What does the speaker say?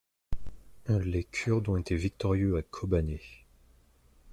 les Kurdes ont été victorieux à Kobané.